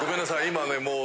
今ねもう。